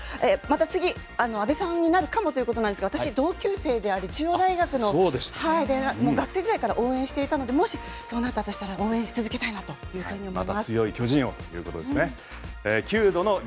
次、阿部さんになるかもということなんですが私、同級生であり中央大学の学生時代から応援していたのでもしそうなったとしたらおはようございます。